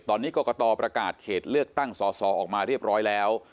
ตอนนี้กรกตประกาศเขตเลือกตั้งสอสอออกมาเรียบร้อยแล้ว